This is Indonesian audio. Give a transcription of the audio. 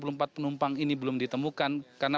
karena pada saat ini penumpang ini belum ditemukan